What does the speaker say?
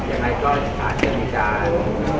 ยังไงก็อาจจะมีการ